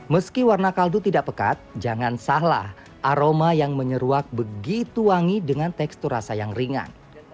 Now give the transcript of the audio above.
meski warna kaldu tidak pekat jangan salah aroma yang menyeruak begitu wangi dengan tekstur rasa yang ringan